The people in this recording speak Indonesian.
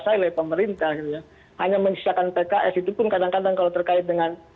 partai politiknya sudah dikuasai oleh pemerintah gitu ya hanya menisahkan pks itu pun kadang kadang kalau terkait dengan